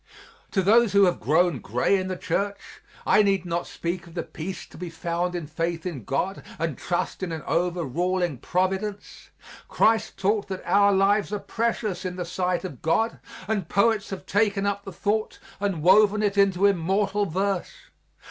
To those who have grown gray in the Church, I need not speak of the peace to be found in faith in God and trust in an overruling Providence. Christ taught that our lives are precious in the sight of God, and poets have taken up the thought and woven it into immortal verse.